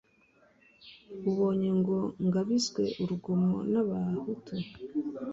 Ubonye ngo ngabizwe, Urugomo rw'abahutu,